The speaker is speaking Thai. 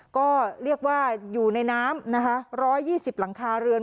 ก็เรียกว่าอยู่ในน้ำนะคะ๑๒๐หลังคาเรือน